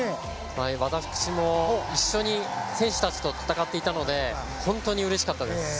私も一緒に選手たちと戦っていたので本当にうれしかったです。